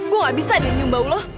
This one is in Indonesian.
gue gak bisa deh nyumbau lo